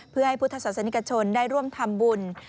เพื่อให้พุทธศาสนิกชนได้ร่วมทำบุญ